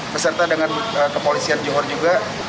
beserta dengan kepolisian johor juga